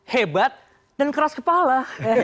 hebat dan keras kepala